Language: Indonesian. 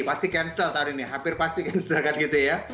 pasti cancel tahun ini hampir pasti cancel kan gitu ya